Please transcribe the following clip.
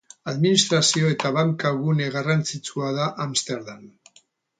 Administrazio eta banka gune garrantzitsua da Amsterdam.